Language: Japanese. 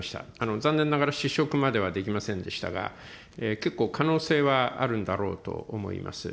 残念ながら試食まではできませんでしたが、結構、可能性はあるんだろうと思います。